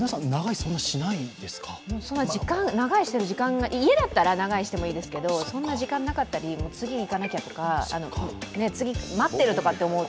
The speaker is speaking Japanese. そんな時間、長居している時間、家だったら長居してもいいけどそんな時間なかったり、次に行かなきゃとか、次待ってるとか思うと。